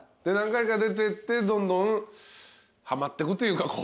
で何回か出てってどんどんはまっていくというかこう？